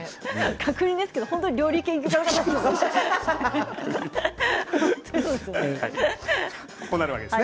確認ですが本当に料理研究家の方ですか。